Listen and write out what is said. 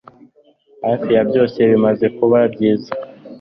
Hafi ya byose bimaze kuba byiza